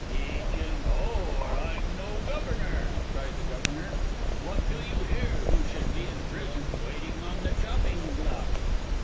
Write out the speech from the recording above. "Yi Chin Ho, or I'm no Governor!" cried the Governor. "What do you here who should be in prison waiting on the chopping block?"